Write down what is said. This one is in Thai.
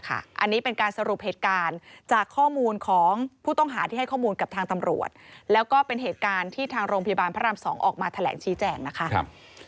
อันนี้เป็นการสรุปเหตุการณ์จากข้อมูลของผู้ต้องหาที่ให้ข้อมูลกับทางตำรวจแล้วก็เป็นเหตุการณ์ที่ทางโรงพยาบาลพระราม๒ออกมาแถลงชี้แจงนะคะ